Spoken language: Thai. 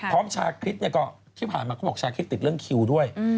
พร้อมชาคิตเนี่ยก็ที่ผ่านมาก็บอกชาคิตติดเรื่องคิวด้วย